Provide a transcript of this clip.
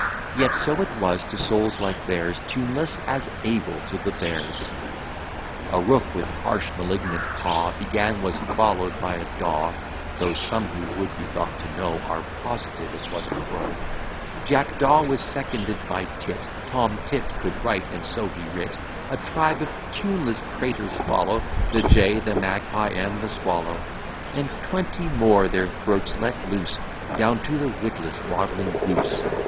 Yet so it was to souls like theirs, Tuneless as Abel to the bears! A Rook with harsh malignant caw Began, was follow'd by a Daw; (Though some, who would be thought to know, Are positive it was a crow:) Jack Daw was seconded by Tit, Tom Tit could write, and so he writ; A tribe of tuneless praters follow, The Jay, the Magpie, and the Swallow; And twenty more their throats let loose, Down to the witless, waddling Goose.